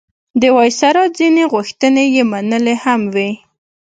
د وایسرا ځینې غوښتنې یې منلي هم وې.